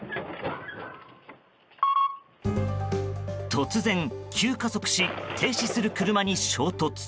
突然、急加速し停止する車に衝突。